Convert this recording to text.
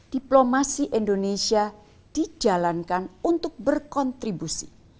diplomasi indonesia dijalankan untuk berkontribusi